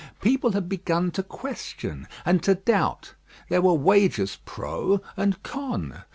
People had begun to question and to doubt; there were wagers pro and con.